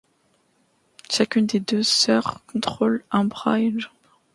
Chacune des deux sœurs contrôle un bras et une jambe.